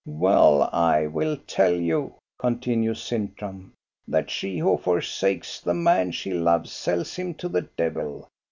"Well, I will tell you," continues Sintram, "that she who forsakes the man she loves sells him to the devil.